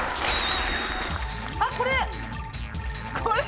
あっこれ。